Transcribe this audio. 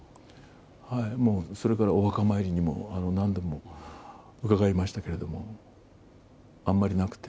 もう、それからお墓参りにも何度も伺いましたけれども、あんまりなくて。